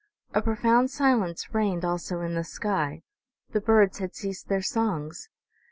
A profound silence reigned also in the sky : the birds had ceased their songs.